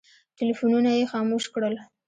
ټلفونونه یې خاموش کړل.